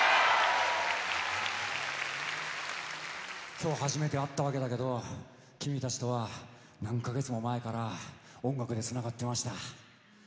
今日初めて会ったわけだけど君たちとは何か月も前から音楽でつながってました。